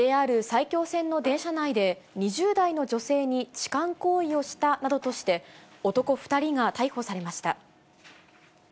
ＪＲ埼京線の電車内で２０代の女性に痴漢行為をしたなどとして、男２人が逮捕されました。